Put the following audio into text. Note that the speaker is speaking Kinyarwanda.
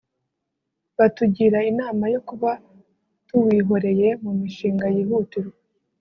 batugira inama yo kuba tuwihoreye mu mishinga yihutirwa